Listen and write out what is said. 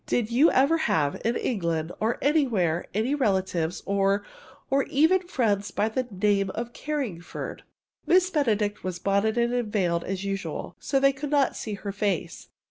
Did you ever have, in England or anywhere, any relatives or or even friends by the name of Carringford?" Miss Benedict was bonneted and veiled as usual, so they could not see her face.